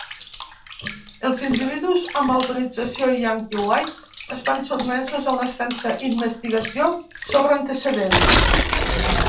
Els individus amb autorització Yankee White estan sotmesos a una extensa investigació sobre antecedents.